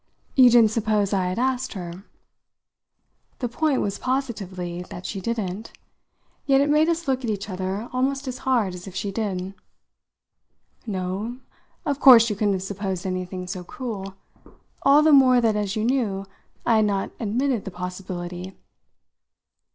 "You didn't suppose I had asked her?" The point was positively that she didn't; yet it made us look at each other almost as hard as if she did. "No, of course you couldn't have supposed anything so cruel all the more that, as you knew, I had not admitted the possibility."